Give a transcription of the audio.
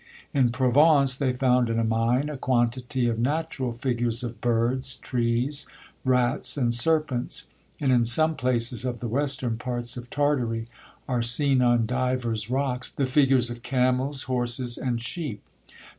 In Provence they found in a mine a quantity of natural figures of birds, trees, rats, and serpents; and in some places of the western parts of Tartary, are seen on divers rocks the figures of camels, horses, and sheep.